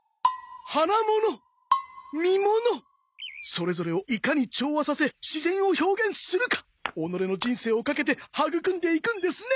それぞれをいかに調和させ自然を表現するか己の人生をかけて育んでいくんですね！